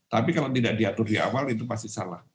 tapi kalau tidak diatur di awal itu pasti salah